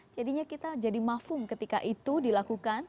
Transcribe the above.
jadinya kita jadi mafum ketika itu dilakukan